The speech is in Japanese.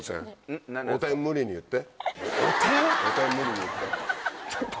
汚点無理に言って。